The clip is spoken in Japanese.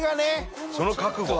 その覚悟。